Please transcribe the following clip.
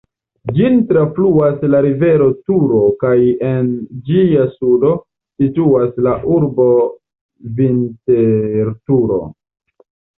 Ĝin trafluas la rivero Turo kaj en ĝia sudo situas la urbo Vinterturo.